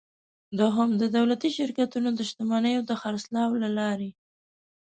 دوهم: د دولتي شرکتونو د شتمنیو د خرڅلاو له لارې.